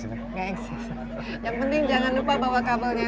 yang penting jangan lupa bawa kabelnya